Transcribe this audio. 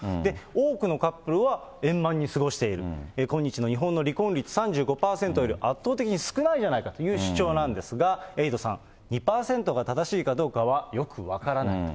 多くのカップルは円満に過ごしている、今日の日本の離婚率３５％より圧倒的に少ないじゃないかという主張なんですが、エイトさん、２％が正しいかどうかはよく分からない。